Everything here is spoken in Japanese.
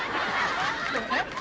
えっ？